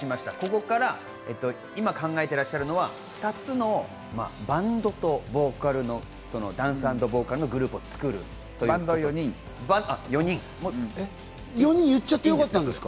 ここから今、考えていらっしゃるのは２つのバンドとボーカルのダンス＆ボーカルグループを作るということです。